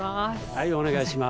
はいお願いします。